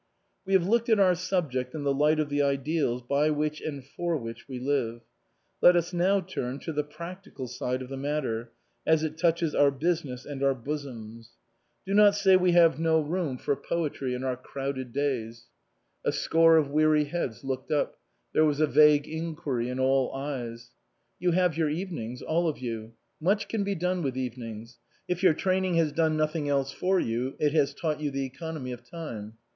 " We have looked at our subject in the light of the ideals by which and for which we live. Let us now turn to the practical side of the matter, as it touches our business and our bosoms. Do not say we have no room for 221 SUPERSEDED poetry in our crowded days." A score of weary heads looked up ; there was a vague inquiry in all eyes. "You have your evenings all of you. Much can be done with evenings ; if your training has done nothing else for you it has taught you the economy of time.